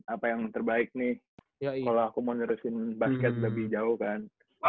apa yang terbaik nih kalau aku mau nerusin basket lebih jauh kan